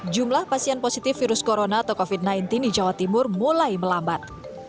jumlah pasien positif virus corona atau covid sembilan belas di jawa timur mulai melambat